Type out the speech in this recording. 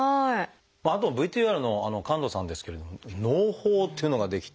あとＶＴＲの神門さんですけれどものう胞っていうのが出来て。